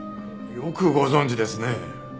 よくご存じですね。